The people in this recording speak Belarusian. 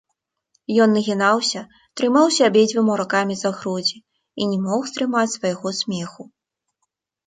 Ён нагінаўся, трымаўся абедзвюма рукамі за грудзі і не мог стрымаць свайго смеху.